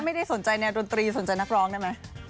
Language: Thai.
ไม่ได้สนใจแนวดนตรีสนใจนักร้องได้ไหม